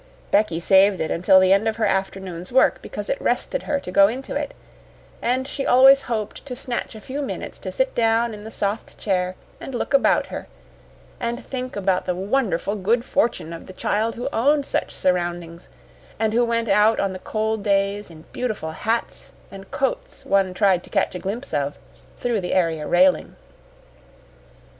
Becky saved it until the end of her afternoon's work, because it rested her to go into it, and she always hoped to snatch a few minutes to sit down in the soft chair and look about her, and think about the wonderful good fortune of the child who owned such surroundings and who went out on the cold days in beautiful hats and coats one tried to catch a glimpse of through the area railing.